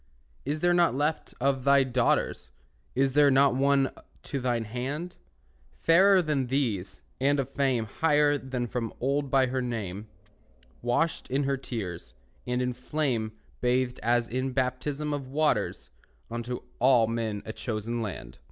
Is there not left of thy daughters, Is there not one to thine hand? Fairer than these, and of fame Higher from of old by her name; Washed in her tears, and in flame Bathed as in baptism of waters, Unto all men a chosen land.